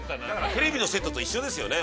◆テレビのセットと一緒ですよね。